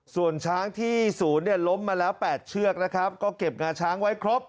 ส่วนช้างที่ศูนย์เนี่ยล้มมาแล้ว๘เชือกนะครับก็เก็บงาช้างไว้ครบ